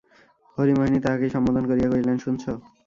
হরিমোহিনী তাহাকেই সম্বোধন করিয়া কহিলেন, শুনছ।